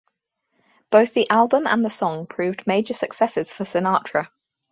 Both the album and the song proved major successes for Sinatra.